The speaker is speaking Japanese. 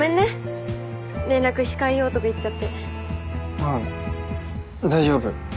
あっ大丈夫。